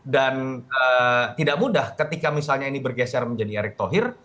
dan tidak mudah ketika misalnya ini bergeser menjadi erick tohir